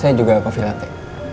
saya juga kopi latte